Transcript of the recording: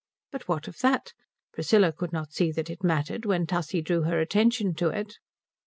But what of that? Priscilla could not see that it mattered, when Tussie drew her attention to it.